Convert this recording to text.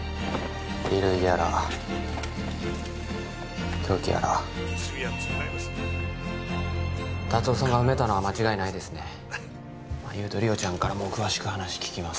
衣類やら凶器やら達雄さんが埋めたのは間違いないですね優と梨央ちゃんからも詳しく話聞きます